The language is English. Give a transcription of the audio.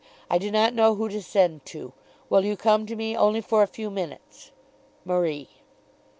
I do not know who to send to. Will you come to me, only for a few minutes? MARIE.